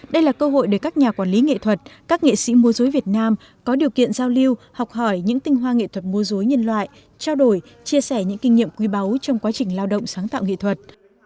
đây là cơ hội để các nhà quản lý nghệ thuật các nghệ sĩ mô dối việt nam có điều kiện giao lưu học hỏi những tinh hoa nghệ thuật mô dối nhân loại trao đổi chia sẻ những kinh nghiệm quý báu trong quá trình lao động sáng tạo nghệ thuật